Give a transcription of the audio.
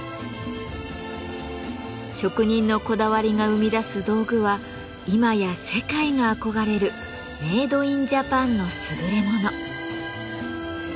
職人のこだわりが生み出す道具は今や世界が憧れるメード・イン・ジャパンのすぐれもの。